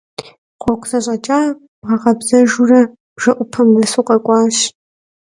Гъуэгу зэщӀэкӀар бгъэкъэбзэжурэ, бжэӀупэм нэс укъэкӀуащ.